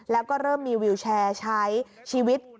แล้วก็เริ่มมีวิวแชร์ใช้ชีวิต